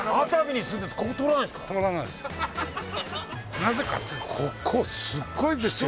なぜかっていうとここすごいですよ。